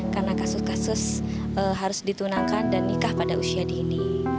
karena kasus kasus harus ditunangkan dan nikah pada usia dini